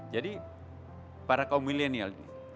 jadi para kaum milenial ini